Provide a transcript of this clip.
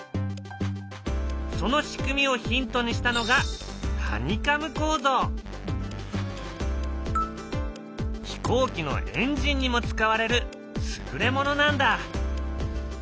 その仕組みをヒントにしたのが飛行機のエンジンにも使われる優れものなんだ。